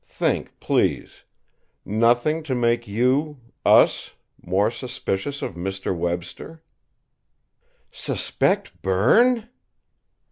Think, please. Nothing to make you, us, more suspicious of Mr. Webster?" "Suspect Berne!"